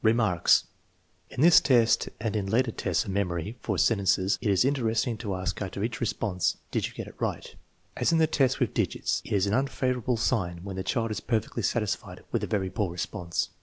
Remarks. In this test and in later tests of memory for sentences, it is interesting to ask after each response: " Did you get it right? " As in the tests with digits, it is an unfavorable sign when the child is perfectly satisfied with a very poor response.